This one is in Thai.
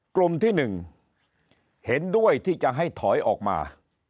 กลุ่มที่๑เห็นด้วยที่จะให้ถอยออกมา